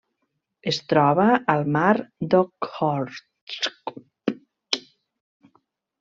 Es troba al Mar d'Okhotsk.